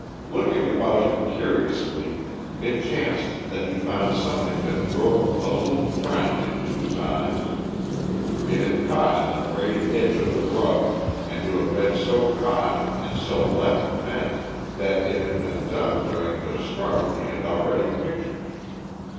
Looking about him curiously it chanced that he found something that drove a puzzled frown into his eyes. It had caught in the frayed edge of the rug, and to have been so caught and so left meant that it had been done during the struggle he had already pictured.